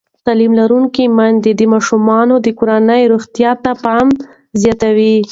تعلیم لرونکې میندې د ماشومانو د کورنۍ روغتیا ته پام زیاتوي.